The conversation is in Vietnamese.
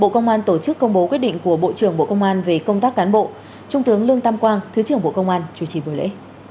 bộ công an tổ chức công bố quyết định của bộ trưởng bộ công an về công tác cán bộ trung tướng lương tam quang thứ trưởng bộ công an chủ trì buổi lễ